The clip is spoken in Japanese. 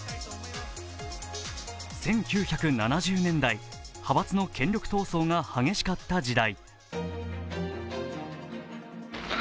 １９７０年代、派閥の権力闘争が激しかった時代。